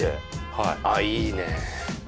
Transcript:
はいああいいねえ